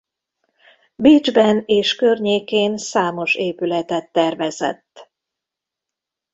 Bécsben és környékén számos épületet tervezett.